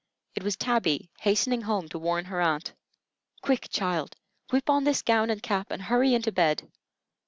It was Tabby hastening home to warn her aunt. "Quick child, whip on this gown and cap and hurry into bed.